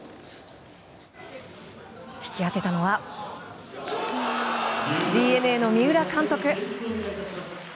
引き当てたのはＤｅＮＡの三浦監督！